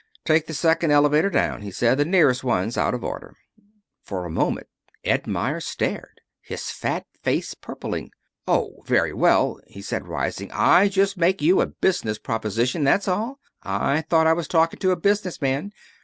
"Take the second elevator down," he said. "The nearest one's out of order." For a moment Ed Meyers stared, his fat face purpling. "Oh, very well," he said, rising. "I just made you a business proposition, that's all. I thought I was talking to a business man.